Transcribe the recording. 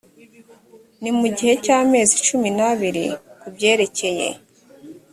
ni mu gihe cy amezi cumi n abiri ku byerekeye